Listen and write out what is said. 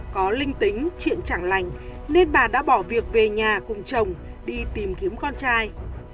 có linh tính chuyện chẳng lành nên bà đã bỏ việc về nhà cùng chồng đi tìm kiếm con trai